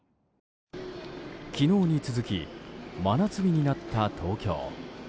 昨日に続き真夏日になった東京。